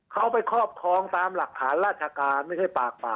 เขาไปครอบครองตามหลักฐานราชการไม่ใช่ปากป่า